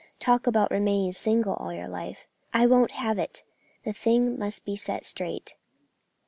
Talk about remaining single all your life, I won't have it; the thing must be set straight."